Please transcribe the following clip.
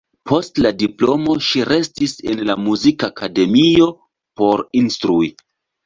Post la diplomo ŝi restis en la Muzikakademio por instrui.